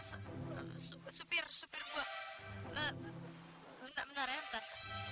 siapa tuh itu supir supir gua bentar bentar